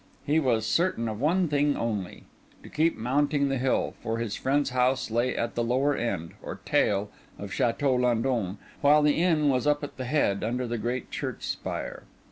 He was certain of one thing only—to keep mounting the hill; for his friend's house lay at the lower end, or tail, of Chateau Landon, while the inn was up at the head, under the great church spire.